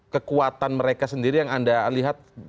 kekuatan mereka sendiri yang anda lihat